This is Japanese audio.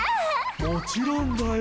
もちろんだよ。